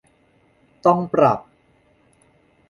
ต้องปรับ